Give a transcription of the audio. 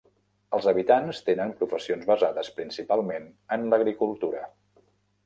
Els habitants tenen professions basades principalment en l'agricultura.